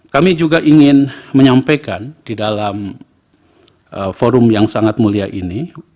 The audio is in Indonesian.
kami juga ingin menyampaikan di dalam forum yang sangat mulia ini